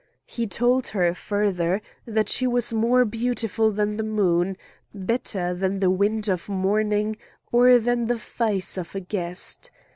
He told her, further, that she was more beautiful than the moon, better than the wind of morning or than the face of a guest.